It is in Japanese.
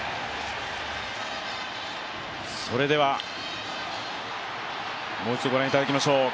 それではもう一度ご覧いただきましょう。